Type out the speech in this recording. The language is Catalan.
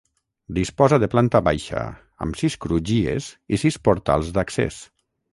Disposa de planta baixa, amb sis crugies i sis portals d'accés.